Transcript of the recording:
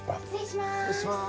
失礼します。